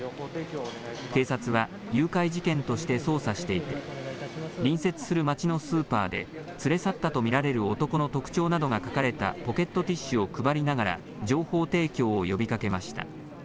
警察は誘拐事件として捜査していて隣接する町のスーパーで連れ去ったと見られる男の特徴などが書かれたポケットティッシュを配りながら情報提供を呼びかけました。